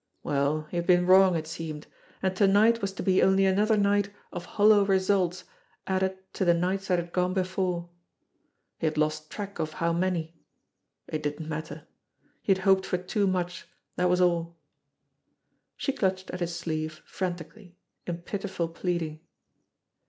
Well, he had been wrong, it seemed, and to night w* BEHIND DOORS OF THE UNDERWORLD 165 to be only another night of hollow results added to the nights that had gone before. He had lost track of how many! It didn't matter. He had hoped for too much, that was all. She clutched at his sleeve frantically, in pitiful pleading.